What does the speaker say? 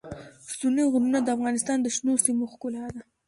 ستوني غرونه د افغانستان د شنو سیمو ښکلا ده.